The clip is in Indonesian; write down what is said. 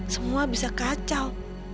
semua bisa kacau